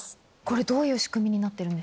どういう仕組みになってるんですか？